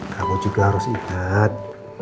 kamu juga harus ingat